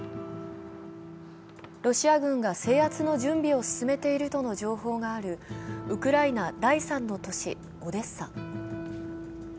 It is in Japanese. ロシア軍が制圧の準備を進めているとの情報があるウクライナ第３の都市オデッサ。